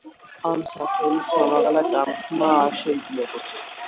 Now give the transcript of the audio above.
ამ სახელის ხმამაღლა წარმოთქმა არ შეიძლებოდა.